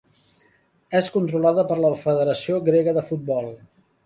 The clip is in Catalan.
És controlada per la Federació Grega de Futbol.